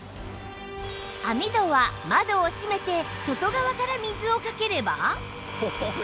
網戸は窓を閉めて外側から水をかければ